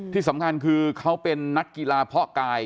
ที่สำคัญคือเขาเป็นนักกีฬาเพาะกาย